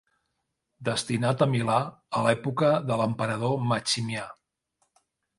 Destinat a Milà a l'època de l'emperador Maximià.